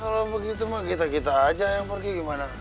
kalau begitu mah kita kita aja yang pergi gimana